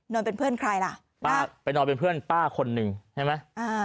เป็นเพื่อนใครล่ะป้าไปนอนเป็นเพื่อนป้าคนหนึ่งใช่ไหมอ่า